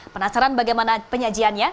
penasaran bagaimana penyajiannya